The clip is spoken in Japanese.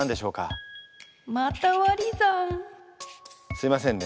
すいませんね。